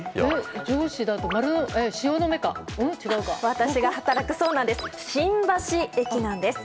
私が働く新橋駅なんです。